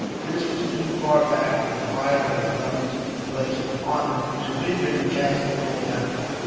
This was too far back for the fire of guns placed upon it to injure the castle or town.